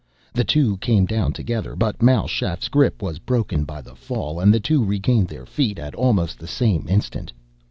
The two came down together, but Mal Shaff's grip was broken by the fall and the two regained their feet at almost the same instant.